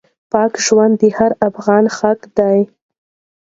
پاک ژوند د هر افغان حق دی.